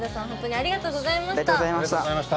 ありがとうございます。